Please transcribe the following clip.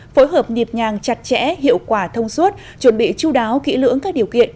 phối hợp nhịp nhàng chặt chẽ hiệu quả thông suốt chuẩn bị chú đáo kỹ lưỡng các điều kiện